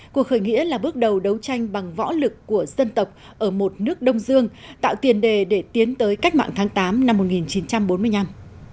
cuộc khởi nghĩa là bước đầu đấu tranh bằng võ lực của dân tộc ở một nước đông dương tạo tiền đề để tiến tới cách mạng tháng tám năm một nghìn chín trăm bốn mươi năm